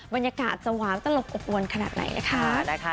บรรยากาศจะหวานตลบอบอวนขนาดไหนนะคะ